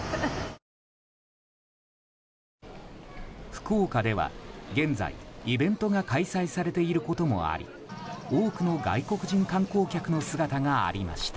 福岡では現在、イベントが開催されていることもあり多くの外国人観光客の姿がありました。